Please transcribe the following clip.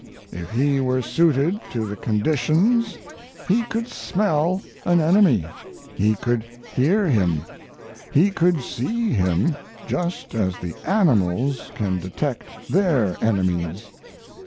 If he were suited to the conditions he could smell an enemy; he could hear him; he could see him, just as the animals can detect their enemies.